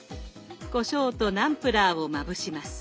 こしょうとナムプラーをまぶします。